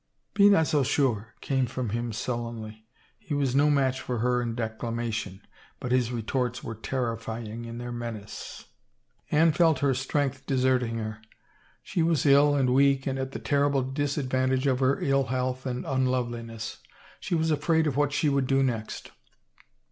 " Be not so sure," came from him sullenly. He was 271 THE FAVOR OF KINGS no match for her in declamation, but his retorts were terrifying in their menace. Anne felt her strength deserting her. She was ill and weak and at the terrible disadvantage of her ill health and unloveliness. She was afraid of what she would do next.